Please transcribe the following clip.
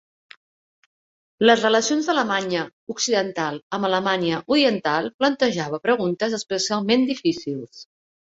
Les relacions d'Alemanya Occidental amb Alemanya Oriental plantejava preguntes especialment difícils.